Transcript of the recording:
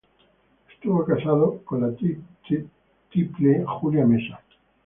Estuvo casado con la tiple Julia Mesa.